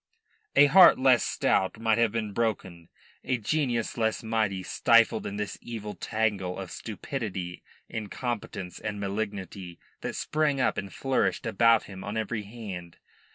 A heart less stout might have been broken, a genius less mighty stifled in this evil tangle of stupidity, incompetence and malignity that sprang up and flourished about him on every hand.